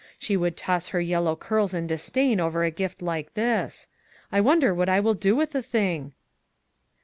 She would toss her yellow curls in dis dain over a gift like this. I wonder what I will do with the thing?"